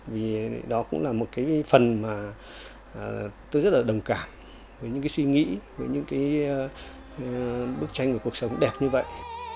vì đó cũng là một cái phần mà tôi rất là đồng cảm với những cái suy nghĩ với những cái bức tranh về cuộc sống đẹp như vậy